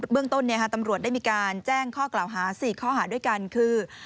เรื่องต้นตำรวจได้มีการแจ้งข้อกล่าวหา๔ข้อหาด้วยกันคือ